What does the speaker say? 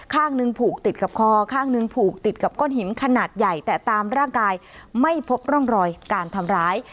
ข้างหนึ่งผูกติดกับคอข้างหนึ่งผูกติดกับก้อนหินขนาดใหญ่แต่ตามร่างกายไม่พบร่องรอยการทำร้าย